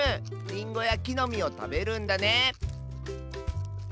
リンゴやきのみをたべるんだねえ。